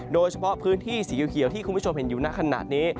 โดยเฉพาะพื้นที่สีเขียวที่คุณผู้ชมเห็นอยู่ในขณะนี้